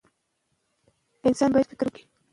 خاص امر یوازې د جګړې په وخت کي وي.